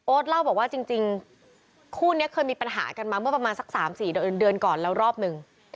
เล่าบอกว่าจริงคู่นี้เคยมีปัญหากันมาเมื่อประมาณสัก๓๔เดือนก่อนแล้วรอบหนึ่ง